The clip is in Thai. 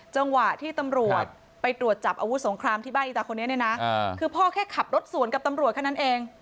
จังหวะที่ตำรวจไปตรวจจับอาวุธสงครามที่บ้านอีตาคนนี้เนี่ยนะคือพ่อแค่ขับรถสวนกับตำรวจแค่นั้นเอง